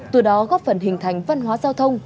từ đó góp phần hình thành văn hóa giao thông